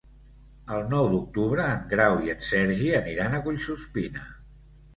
El nou d'octubre en Grau i en Sergi aniran a Collsuspina.